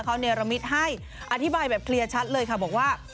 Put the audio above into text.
เขาเนรมิตให้อธิบายแบบเคลียร์ชัดเลยค่ะบอกว่า